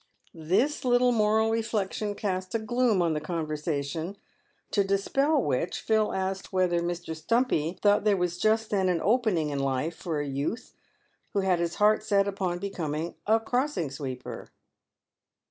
This little moral reflection cast a gloom on the conversation, to dispel which Phil asked whether Mr. Stumpy thought there was just then an opening in life for a youth who had set his heart upon be coming a crossing sweeper.